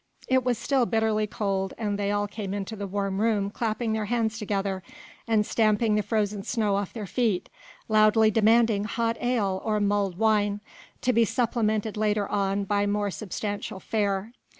It was still bitterly cold and they all came into the warm room clapping their hands together and stamping the frozen snow off their feet, loudly demanding hot ale or mulled wine, to be supplemented later on by more substantial fare.